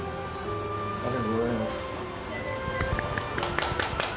ありがとうございます。